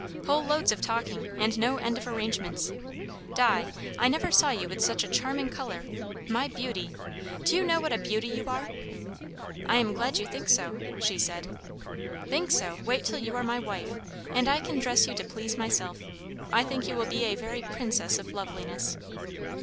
"Whole loads of talking, and no end of arrangements. Di, I never saw you with such a charming colour. My beauty! Do you know what a beauty you are?" "I am glad you think so!" she said. "Think so? Wait till you are my wife, and I can dress you to please myself. I think you will be a very princess of loveliness."